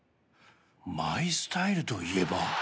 マイスタイルといえば。